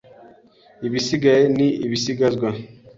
Ibisigaye ni ibisigazwa